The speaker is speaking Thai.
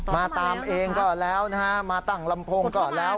มาตามเองก็แล้วนะฮะมาตั้งลำโพงก็แล้ว